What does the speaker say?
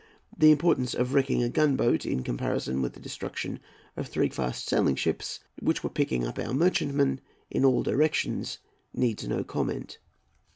The importance of wrecking a gunboat, in comparison with the destruction of three fast sailing ships, which were picking up our merchantmen, in all directions, needs no comment.